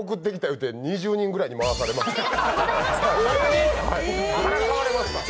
言うて２０人ぐらいに回されました。